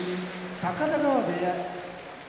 高田川部屋